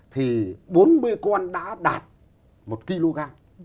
thì bốn mươi con đã đạt một kg